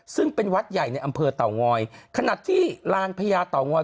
ซึ่งเป็นวัดใหญ่ในอำเภอเต่างอยขนาดที่ลานพญาเต่างอย